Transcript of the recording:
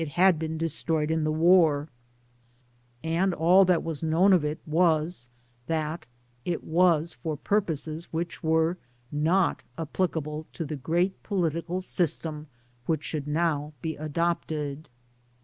11 had be^ destroyed in the war, and all that was known of it was, that it had be^ formed for pur poses inapplicable to the great political system which should now be adopted.